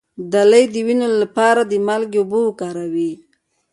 د لۍ د وینې لپاره د مالګې اوبه وکاروئ